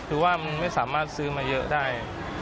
คือว่ามึงไม่สามารถซื้อมาเยอะได้